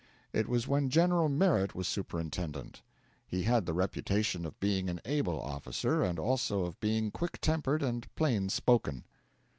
It was when General Merritt was superintendent. He had the reputation of being an able officer, and also of being quick tempered and plain spoken.